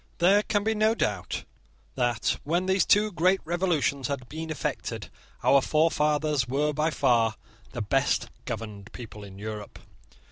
There can be no doubt that, when these two great revolutions had been effected, our forefathers were by far the best governed people in Europe.